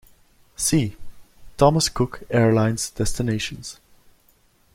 "See: Thomas Cook Airlines destinations"